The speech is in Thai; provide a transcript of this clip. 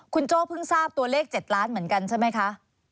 คุณโจ้เพิ่งทราบตัวเลข๗ล้านเหมือนกันใช่ไหมคะ